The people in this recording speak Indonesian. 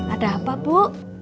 ada apa bu